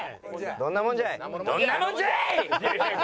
どんなもんじゃい！